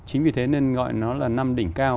chính vì thế nên gọi nó là năm đỉnh cao